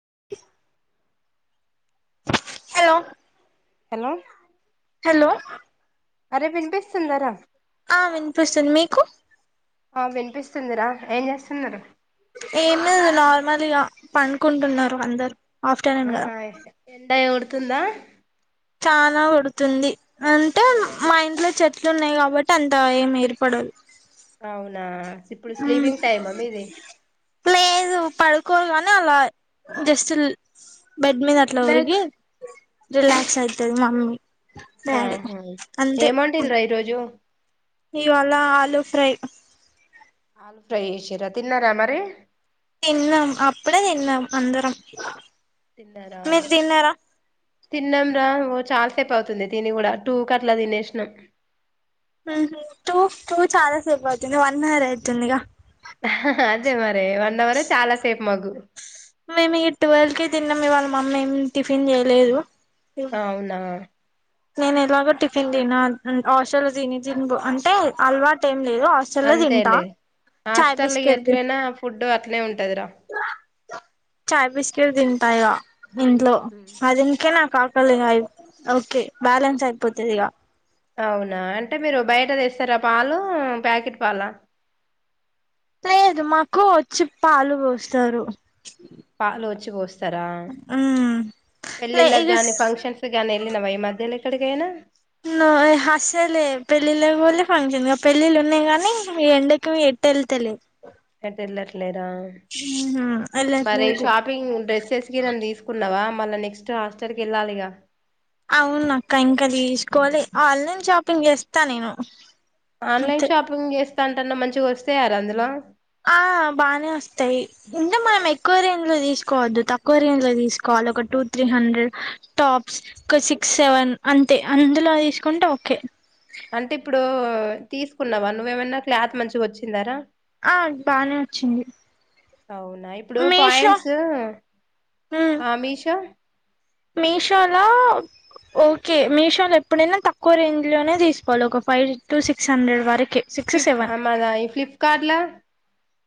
[inaudible] hello hello hello అరే వినిపిస్తుందారా ఆ వినిపిస్తుంది మీకు ఆ వినిపిస్తుందిరా ఏం చేస్తున్నారు ఏమ్ లేదు ఇగ నార్మల్గా పడుకుంటున్నారు అందరు ఆఫ్టర్నూన్ కదా ఆహా ఎండ కోడుతుందా చాలా కొడుతుంది అంటే అదే మా ఇంట్లో చెట్లు ఉన్నాయి కాబ ట్టి అంత ఏం ఏర్పడదు అవునా ఇప్పుడు మ్ స్లీవింగ్ టైమ్ ఆ మీది పడుకోరుగాని అలా జస్ట్ బెడ్ మీద అట్లా ఓరిగి రిలాక్స్ రిలాక్స్ అయితది మమ్మీ డాడీ ఆహా అంతే ఏం వండిల్లురా ఈరోజు ఇవాళ ఆలూ ఫ్రై ఆలు ఫ్రై చేసిరా తిన్నారా మరి తిన్నాం అప్పుడే తిన్నాం అందరం తిన్నరా మీరు తిన్నారా తిన్నం రా చాలా సేపు అవుతుంది తిని కూడా టూ కట్లా తినేసినము హ టూ టూ చాలా సేపు అవుతుంది వన్ హవర్ అయితుంది ఇగా అదే మరి వన్ అవరే చాలా సేపు మకు మేము ట్వెల్వ్ కి తిన్నాము మా మమ్మీ ఏమి టిఫిన్ చేయలేదు అవునా నేను ఎలాగో టిఫిన్ తిిన హాస్టల్ తిని ది అంటే అల్వాటు హస్టల్ల తింటా అంతేలే చయ్ హాస్టల్ బిస్క్ ఎట్లైనా ఫుడ్ అట్లే ఉంటదిరా చాయ్ బిస్కెట్ తింటా ఇగ ఇంట్లో అ దనికే నాకు కాకలేయి ఓకే బ్యాలెన్స్ అయిపోతది ఇక అవునా అంటే మీరు బయట తేస్తారా పాలు ప్యాకెట్ పాల లేదు మాకు వచ్చి పాలు పోస్తారు పాలో వచ్చి పోస్తా ార లే పెళ్ళిళ్ళకి ఇగ గాని ఫంక్షన్స్ గాని వెళ్ళినవా ఈ మధ్యలో ఎక్కడికైనా హస్తేలే పెళ్ళిళ్ళ పోలే ఫంక్షన్గా పెళ్ళిళ్ళ ఉన్నాయి కానీ మీ ఎండకి టేల్తాలే ఏటు వెల్లర్లేరా మరి వెళ్ళట్లేదు షాపింగ్ డ్రెస్సెస్ కి న తీసుకున్నావా మళ్ళా నెక్స్ట్ హాస్టల్ క వెళ్ళాలిగా అవున అక్క ఇంకా తీసుకోవాలి ఆన్లైన్ షాపింగ్ చేస్తా నేను ఆన్లైన్ అంతే షాపింగ్ చేస్తా అంటన్నా మంచిగా వస్తేయార అందులో ఆ బాగానే వస్తాయి ఇంటే మనం ఎక్కువ రేంజ్ లో తీసుకోవద్దు తక్కువ రేంజ్లో తీసుకోవ ఒక టూ త్రీ హండ్రెడ్ టాప్స్ ఒక సిక్స్ సెవెన్ అంతే అందులో తీసుకుంటే ఓకే అంటే ఇప్పుడు తీసుకున్నావా నువ్వేమన్నా క్లాత్ మంచిగా వచ్చిందారా ఆ బానే వచ్చింది అవునా ఇప్పుడు మీషో పాయింట్స్ అమిీషో మీషోలో ఓకే మీషో లో ఎప్పుడైనా తక్కువ రేంజ్ లోనే తీసుకోవాలి ఒక ఫైవ్ టు సిక్స్ హండ్రెడ్ వరకు ఫి ఆ మాద ఈ ఫ్లిప్కార్ట్ల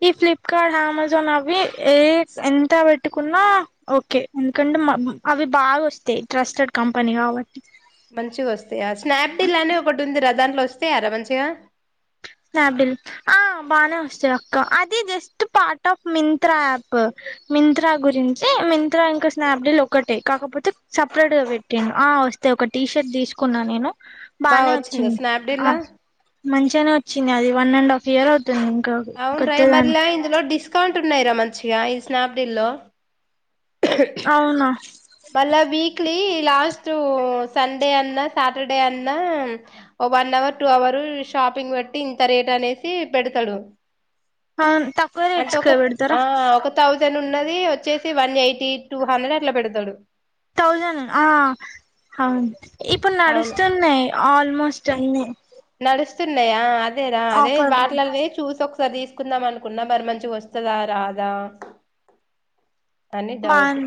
ఈ ఫ్లిప్కార్ట్ అమెజాన్ అవి ఏ ఎంత పెట్టుకున్నా ఓకే ఎందుకంటే అవి బాగా వస్తాయి ట్రస్టెడ్ కంపెనీ కాబట్టి మంచిగా వస్తాయా స్నాప్ డీల్ అనే ఒకటి ఉందిరా దాని వస్తాయరా మంచిగా స్నాప్ డిల్ ఆ బాగానే వస్తాంది అక్క అది just part of Myntra app Myntra గురించి మింత్రా ఇంకా స్నాప్ డీల్ ఒకటే కాకపోతే సపరేట్ గా పెట్టటిం ఆ వస్తే ఒక టీషర్ట్ తీసుకున్నా నేను బాగా బానే వచ్చిందా వచ్చింది ఆ స్నాప్డీల్లా మంచిగానే వచ్చింది అది వన్ అండ్ హాఫ్ ఇయర్ అవుతుంది ఇంకా అవును రా కొత్తేదానికి మళ్ళా ఇందులో డిస్కౌంట్ ఉన్నాయిరా మంచిగా ఈ స్నాప్ డీల్లో అవునా మళ్ళా వీక్లీ లాస్ట్ సండే అన్న సాటర్డే అన్నా ఓ one hour two hour shopping బెట్టి ఇంత రేట్ అనేసి పెడతాడు అవును తక్కువ అంటే రేట్స్కే ఒక పెడతారా ఆ ఒక థౌజం ఉన్నది వచ్చేసి వన్ ఎయిటీ టూ హండ్రెడ్ అట్లా పెడతాడు థౌజండ్ ఆ అవును ఇప్పుడు అవును నడుస్తున్నాయి ఆల్మోస్ట్ అ నడుస్తున్నాయా అదే రా అదే ఆఫర్లు వాటిలలో చూసు తీసుకుందాం అనుకున్నా మరి మంచి వస్తుందా రాదా అని డౌట్ బాన్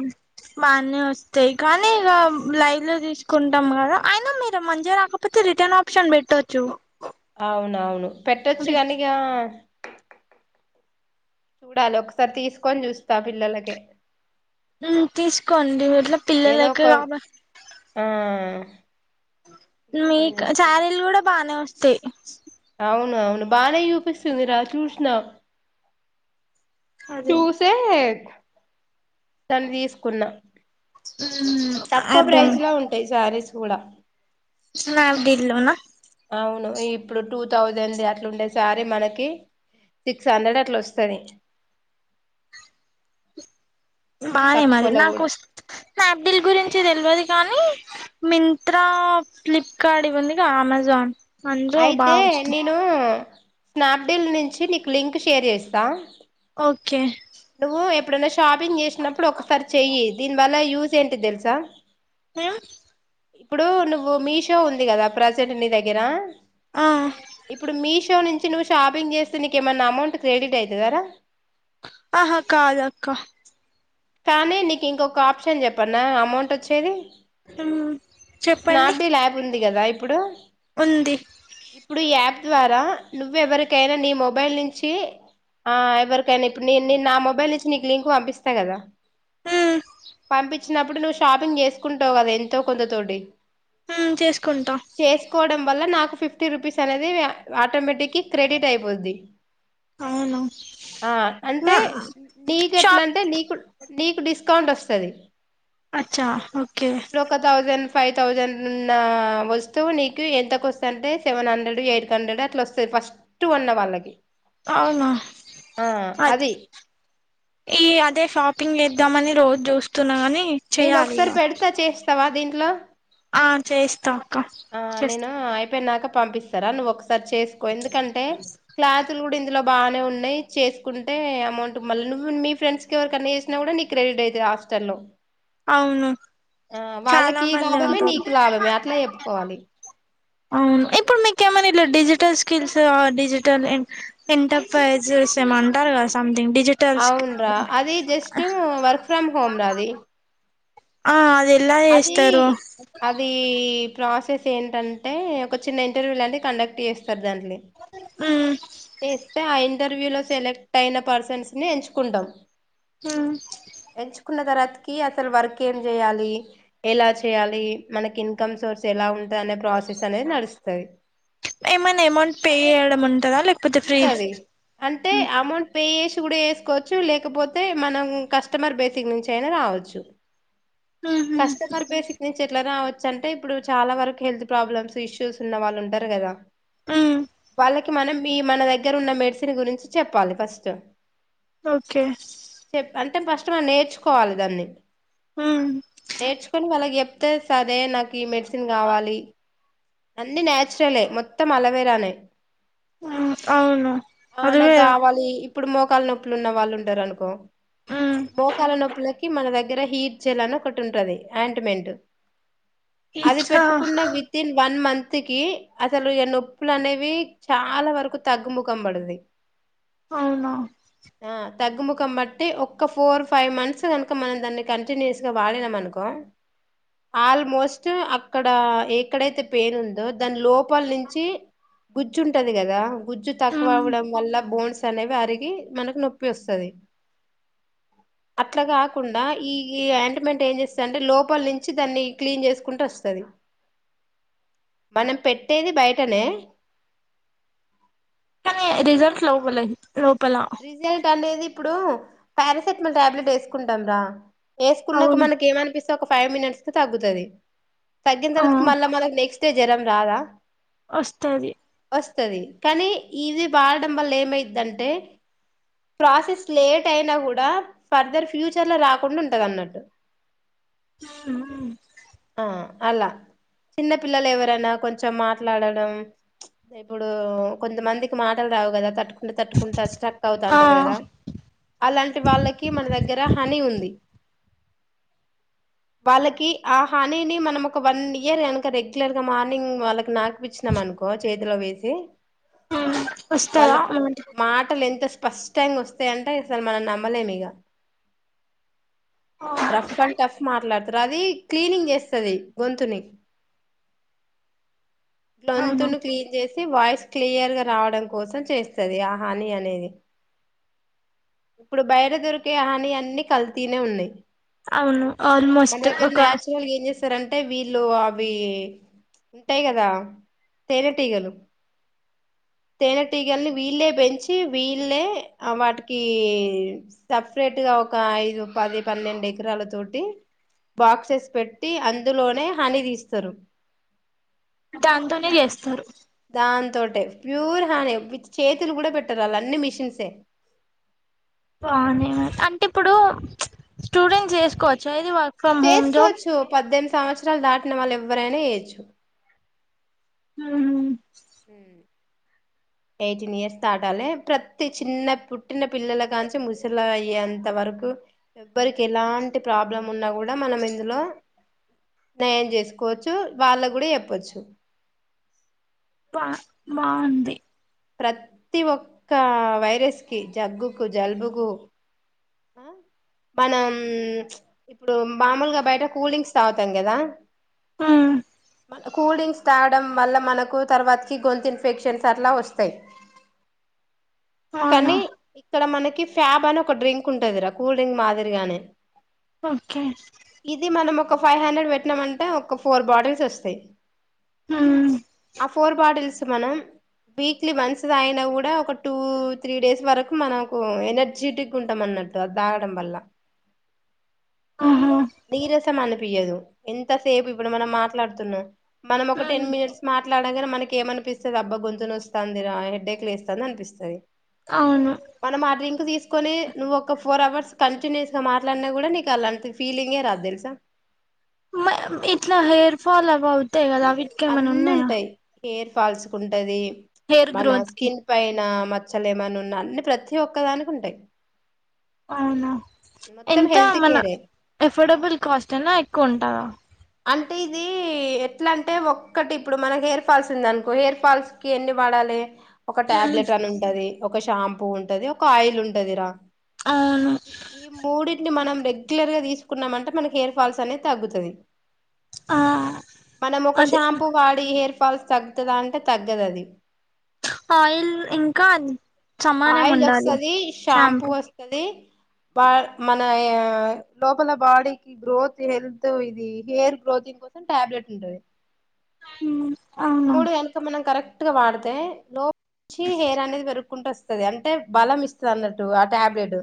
బానే వస్తాయి కానీ ఇక లైవ్ లో తీసుకుంటాం కదా అయినా మీరు మధ్య రాకపోతే ర రిటర్న్ ఆప్షన్ పెెట్టొచ్చు అవునవును పెట్టొచ్చు కనిక చూడాలి ఒకసారి తీసుకొని చూస్తా పిల్లలకే తీసుకోండి ఇట్లా ఏదో పిల్లలకా ఒక కాబ ఆ తీసుకొని మీకు చూస్తే ఛారీలు కూడా బానే వస్తాయి అవును అవును బానే చూపిస్తుంది రా చూసినా అదే చూసే దాని తీసుకున్నా తక్కువ అర్థం ప్రైస్ లా ఉంటాయి శారీస్ కూడా స్నాప్ డీల్లో న్నా అవును ఇప్పుడు టూ థౌజండ్ అట్లా ఉండే సారి మనకి సిక్స్ హండ్రెడ్ అట్లా వస్తుంది బానే మాది నాకు స్నాప్ డీల్ గురించి తెల్వదు కానీ మింట్రా ఫ్లిప్కార్ట్ ఇవ్వందిగా అమెజాన్ అందులో అయితే బాగా వస్తాయి నేను స్నాప్డీల్ నుంచి నీకు లింక్ షేర్ చేస్తా ఓకే నువ్వు ఎప్పుడైనా షాపింగ్ చేసినప్పుడు ఒకసారి చెయ్యి దీని వల్ల యూస్ ఏంటి తెలుసా హ ఇప్పుడు నువ్వు మీషో ఉంది కదా ప్రజెంట్ నీ దగ్గర ఆ ఇప్పుడు మీషో నుంచి నువ్వు షాపింగ్ చేస్తే నీకేమైన్నా అమౌంట్ క్రెడిట్ అవుతుందారా ఆహా కాదక్కా కానీ నీకు ఇంకొక ఆప్షన్ చెప్పన్న అమౌంట్ వచ్చేది చెప్పండి స్నాప్డీల్ యాప్ ఉంది కదా ఇప్పుడు ఉంది ఇప్పుడు ఈ యాప్ ద్వారా నువ్వు ఎవరికైనా నీ మొబైల్ నుంచి ఆ ఎవరికయనా ఇప్పుడు నేను నే నా మొబైల్ నుంచి నీకు లింక్ పంపిస్తా కదా మ్మ్ పంపించినప్పుడు నువ్వు షాపింగ్ చేసుకుంటావు కదా ఎంతో కొంత తోటి చేసుకుంటా చేసుకోవడం వల్ల నాకు ఫిఫ్టీ రూపీస్ అనేది ఆటోమేటిక్ క్రెడిట్ అయిపోద్ది అవును ఆ అంటే నీకు ఎట్లా షాప్ అంటే నీకు నీకు డిస్కౌంట్ వస్తుంది అచ్చా ఓకే థౌజండ్ ఫైవ్ థౌజండ్ వస్తువు నీకు ఎంతకు వస్తుంది అంటే సెవెన్ హండ్రెడ్ ఎయిట్ హండ్రెడ్ అట్లా వస్తుంది ఫస్ట్ కొన్న వాళ్ళకి అవునా అది ఈ అదే షాపింగ్ చేద్దామని రోజు చూస్తున్నా కానీ నేను ఒకసారి పెడతా చేస్తావా దీంట్లో ఆ చేయిస్తాం ఆ నేను అయిపోయినాక పంపిస్తారా నువ్వు ఒక చేసుకో ఎందుకంటే క్లాతులు కూడా లో బాగానే ఉన్నాయి చేసుకుంటే అమౌంట్ మళ్ళీ నువ్వు మీ ఫ్రెండ్స్ క ఎవరిన్నా చేసినా కూడా నీకు క్రెడిట్ అవుతయి హాస్టల్ లో అవును చాలా వాళ్ళకి మంది లాభమే ఉంటారు నీకు లాభమే అట్లా [inaudible] ఆ ఇప్పుడు మీకు ఏమన్నా ఇ డిజిటల్ స్కిల్స్ డిజిటల్ ఎంటర్ప్రైజెస్ ఏమన్నా అంటారు కదా సమ్థింగ్ అవున్రా అది జస్ట్ వర్క్ ఫ్రమ్ హోమ్ రాది ఆ అదే అది అది ప్రాసెస్ ఏంటంటే ఒక చిన్న ఇంటర్వ్యూ లాంటివి కండక్ట్ చేస్తారు దాంట్లో మ్మ్ చేస్తి ఆ ఇంట ఇంటర్వ్యూ లో సెలెక్ట్ అయిన పర్సన్స్ ని ఎంచుకుంటాం మ్మ్ ఎంచుకున్న తర్వాత కి అసలు వర్క్ ఏం చేయాలి ఎలా చేయాలి మనకి ఇన్కమ్ సోర్స్ ఎలా ఉంట దనే ప్రాసెస్ అనేది నడుస్తది ఏమైనా ఎమౌంట్ పే చేయడం ఉంటదా లేకపోతే ఫ్రీ ఉంటది అంటే అమౌంట్ పే చేసి వేసుకోవచ్చు లేకపోతే మనం కస్టమర్ బేసిక్ నుంచి అయినా రావచ్చు మ్మ్ కష్టమర్ బేసిక్ నుంచి ఎట్ల రావచ్చు అంటే ఇప్పుడు చాలా వరకు హెల్త్ ప్రాబ్లమ్స్ ఇష్యూస్ ఉన్న వాళ్ళు ఉంటారు కదా మ్మ్ వాళ్ళకి మనం ఈ మన దగ్గర ఉన్న మెడిసిన్ గురించి చెప్పాలి ఫస్ట్ ఓకే చెప్ అంటే ఫస్ట్ మనం నేర్చుకోవాలి దాన్ని ఉం అంతే సరే నాకు ఈ మెడిసిన్ కావాలి అన్ని నాచురలే మొత్తం అలవేరానే మ్మ్ అవును ఆ నాకు అదివే కావాలి ఇప్పుడు మోకాల నొప్పులు ఉన్న వాళ్ళు ఉంటారు అనుకో మ్మ్ మోకాల నొప్పులకి మన దగ్గర దగ్గర హీట్ జల్ అనీ ఒకట్టింటది అయింట్ మెంట్ అది ఇచ్చా పెట్టుకున్న విత్ ఇన్ వన్ మంత్ కి అసలు ఇగ నొప్పులు అనేవి చాలా వరకు తగ్గుముఖం పడది అవునా ఆ తగ్గుముఖం బట్టి ఒక్క ఫోర్ ఫైవ్ మంత్స్ కనుక మనం దాన్ని కంటిన్యూస్ గా వాడినం అనుకో ఆల్మోస్ట్ అక్కడ ఎక్కడైతే పెయిన్ ఉందో దాని లోపల నుంచి గుజ్జు ఉంటది కదా గుజ్జు తక్కువ మ్మ్ అవ్వడం వల్ల బోన్స్ అనేవి అరిగి మనకు నొప్పి వస్తది [inaudible] అట్లా కాకుండా ఈ అయాంట్ మెంట్ ఏం చేస్తది అంటే లోపల నుంచి దాన్ని క్లీన్ చేసుకుంట వస్తది మనం పెట్టేది బయటనే కానీ రిజల్ట్ లోపలే రిజల్ట్ అనేది ఇప్పుడు పారాసెటమల్ టాబ్లెట్ వేసుకుంటం రా వేసుకున్నాక అవును మనకి ఏమనిపిస్తది ఒక ఫైవ్ మినిట్స్ క్ తగ్గుతది తగ్గిన ఆ తరువాతకి మళ్ళా మనక్ నెక్స్ట్ జరం రాదా వస్తది వస్తది కానీ ఇది వాడడం వల్ల ఏమైద్దంటే ప్రాసెస్ లేట్ అయినా కూడా ఫర్దర్ ఫ్యూచర్ లో రాకుండా ఉంటదన్నట్టు ఉం ఉం ఆ అలా చిన్న పిల్లలు ఎవరనా కొంచెం మాట్లాడడం ఇప్పుడు కొంతమందికి మాటలు రావు కదా తట్టుకుంటే తట్టుకుంట కష్ట ఆ అవుతంటారు గదా అలాంటి వాళ్ళకి మన దగ్గర హనీ ఉంది [unintelligible] వాళ్ళకి ఆ హానీని మనం ఒక వన్ ఇయర్ కనుక రెగ్యులర్ గా మార్నింగ్ వాళ్ళకి నాకుపిచ్చినాం అనుకో కో చేతిలో వేసి ఉమ్ వస్తదా వాళ్ళక్ అలాంటి మాటలు ఎంత స్పి ఫస్ట్ టైం గోస్తాయంటే అసలు మనం నమ్మలేమ్ ఇగ ఆ రఫ్ అండ్ టఫ్ మాట్లాడుత రవి క్లీనింగ్ చేస్తది గొంతుని అవును గ్లొంతును క్లీన్ చేసి వాయిస్ క్లియర్ గా రావడం కోసం చేస్తది ఆ హాని అనేది ఇప్పుడు బయట దొరికే హాని అన్ని కల్తినే ఉన్నయి అవును ఆల్మోస్ట్ ఒక అంటే వీళ్ళు అవి ఉంటాయి కదా తేనెటీగలు తేనెటీగల్ని వీళ్లే పెంచి వీళ్లే వాటికి సపరేట్ ట్టుగా ఒక ఐదు పది పన్నెండు ఎకరాల తోటి బాక్సెస్ పెట్టి అందులోనే హాని తీస్తారు దాంతోనే జేస్తారు దాంతోటే ప్యూర్ హాని విత్ చేతులు గూడా పెట్టారళ్ళు అన్ని మిషన్సే [inaudible] బాగునే అంటే ఇప్పుడు స్టూడెంట్స్ చేసుకోవచ్చు అది వాళ చేసుకోవచ్చు పద్దెమ్ది సంవత్సరాలు దాటిన వాళ్ళేవ్వరైనా చేయొచ్చు హు ఎయిటీన్ ఇయర్స్ దాటాలి ప్రతి చిన్న పుట్టిన పిల్లల కాంచి ముసళ అయ్యేంత వరకు [unintelligible] ఎవరికి ఎలాంటి ప్రాబ్లం ఉన్నా కూడా మనం ఇందులో నయం చేసుకోవచ్చు వాళ్ళ కూడ చెప్పచ్చు బ బాగుంది ప్రత్తి ఒక్క వైరస్ కి జగ్గుకు జలుబుకు ఆ మనం ఇప్పుడు మామూలుగా బయట కూల్డ్రింగ్క్స్ తాగుతాం కదా ఆ మన కూల్ డ్రింక్స్ తాగడం వల్ల మనకు తర్వాతకి గొంతు ఇన్ఫెక్షన్స్ అట్ల వస్తాయి అవునా కానీ ఇక్కడ మనకి ఫ్యాబ్ అని ఒక డ్రింక్ ఉంటది ర కూల్ డ్రింక్ మాదిరిగానే ఒకే ఇది మనం ఒక ఫైవ్ హండ్రెడ్ పెట్టినామ అంటే ఒక ఫోర్ బాటిల్స్ వస్తాయి ఉమ్ ఆ ఫోర్ బాటిల్స్ మనం వీక్లీ వన్స్ అయిన కూడా ఒక టూ త్రీ డేస్ వరకు మనకు ఎనర్జెటిక్ ఉంటు త్తమన్నట్టు అద్ తాగడం వల్ల ఆహా నీరసమని పియదు ఎంత సేపు ఇప్పుడు మనం మాట్లాడుతున్నం మనం ఒక టెన్ ఉమ్ మినిట్స్ మ మాట్లాడగానే మనకి ఏమనిపిస్తుంది అబ్బా గొంతు నాస్తది హెడ్డేక్లు వేస్తుంది అనిపిస్తుంది అవును మనం ఆ డ్రింక్ తీసుకొని నువ్వు ఒక ఫోర్ అవర్స్ కంటిన్యూస్ గా మాట్లాడినా గూడ నీక్ అలా అనిపి ఫీలింగ్ ఎ రాదు తెలుసా ఫాల బవుతయి కదావిట్కే మన అన్ని ఉన్నాయా ఉంటాయి హెయిర్ ఫాల్స్ కుంటది హెయిర్ మన గ్రోత్ కి స్కిన్ పైన మచ్చలేమన్న ఉన్న అన్ని ప్రతి ఒక్కదానికుంటాయి అవునా ఎంత మన కేరే ఎఫోర్డబుల్ కాస్ట్ ఎన ఎక్కువ ఉంటదా అంటే ఇది ఎట్లా అంటే ఒక్కటి ఇప్పుడు మనకి హెయిర్ ఫాల్స్ ఉంది అనుకో హెయిర్ ఫాల్స్ కి ఎన్ని వాడ అలే ఒక ఉమ్ టాబ్లెట్ అని ఉంటది ఒక షాంపూ ఉంటది ఒక ఆయిల్ ఉంటదిరా అవును ఈ ఈ మూడిట్ని మనం రెగ్యులర్ గా తీస్ కున్నమంటే మనకి హెయిర్ ఫాల్స్ అనేది తగ్గుతది ఆ మనమోక అదే షాంపూ వాడి హెయిర్ [unintelligible] తగ్గుతుందా అంటే తగ్గదు అది ఆయిల్ ఇంకా సమానం ఆయిల్ ఉండాలి వస్తది షాంపూ వస్తది బా మన లోపల బాడీకి గ్రోత్ హెల్త్ ఇది హెయిర్ గ్రోతింగ్ కోసం టాబ్లెట్ ఉంటది ఈ అవును మూడు గనక మనం కరెక్ట్ క్ట్గా వాడ్తే లోప్ చి హెయిర్ అనేది పెరు కుంట వస్తుంది అంటే బలం ఇస్తది అన్నట్టు ఆ టాబ్లెట్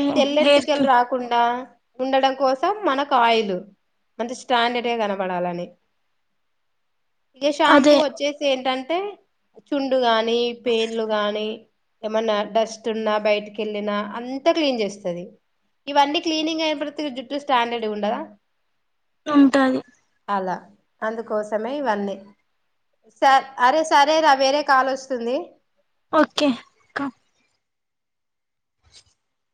ఈ హెయిర్ తెల్లెటీకలు కి రాకుండా ఉండడం కోసం మనకు ఆయిల్ అంటే స్టాండర్డ్గా కనపడాలని ఇక షాంపూ అదే వచ్చేసి ఏంటంటే చుండు గాని పేన్లు గాని ఏమన్నా డస్ట్ ఉన్నా బయటికెళ్ళిన అంతా క్లీన్ చేస్తది ఈ వన్నీ క్లీనింగ్ అయతే జుట్టు స్టాంండర్డ్ ఉండదా ఉంటాది అల అందుకోసమే ఇవన్నీ సర్ అరే సరే రా వేరే కాలోస్తుంది ఓకే కా [unintelligible]